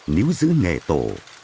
nếu giữ nghề tổ